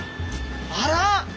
あら！